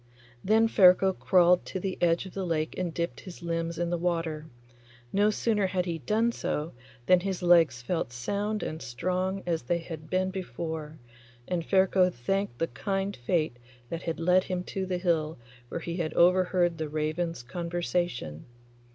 Then Ferko crawled to the edge of the lake and dipped his limbs in the water. No sooner had he done so than his legs felt as sound and strong as they had been before, and Ferko thanked the kind fate that had led him to the hill where he had overheard the ravens' conversation.